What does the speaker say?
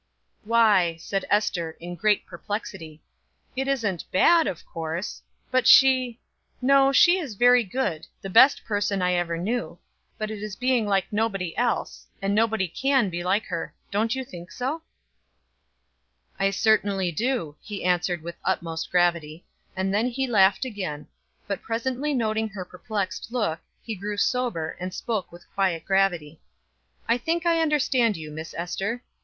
"Why," said Ester in great perplexity, "it isn't bad of course. But she no, she is very good, the best person I ever knew; but it is being like nobody else, and nobody can be like her. Don't you think so?" "I certainly do," he answered with the utmost gravity, and then he laughed again; but presently noting her perplexed look, he grew sober, and spoke with quiet gravity. "I think I understand you, Miss Ester.